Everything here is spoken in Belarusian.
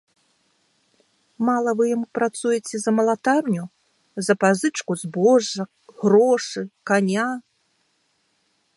Мала вы яму працуеце за малатарню, за пазычку збожжа, грошы, каня?